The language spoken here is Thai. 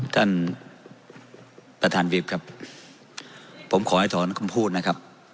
ท่านประธานวิบครับผมขอให้ถอนคำพูดนะครับ